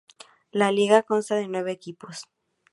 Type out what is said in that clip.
La liga consta de nueve equipos.